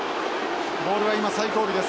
ボールは今最後尾です。